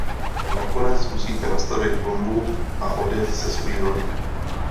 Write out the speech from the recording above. Nakonec musíte nastavit bombu a odjet se svojí lodí.